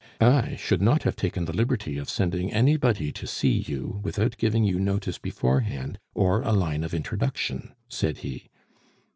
"I should not have taken the liberty of sending anybody to see you without giving you notice beforehand, or a line of introduction," said he.